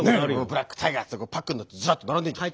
ブラックタイガーってパックになってずらっと並んでんじゃん。